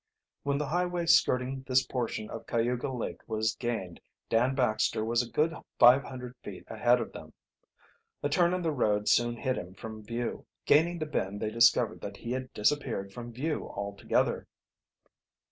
When the highway skirting this portion of Cayuga Lake was gained Dan Baxter was a good five hundred feet ahead of them. A turn in the road soon hid him from view. Gaining the bend they discovered that he had disappeared from view altogether.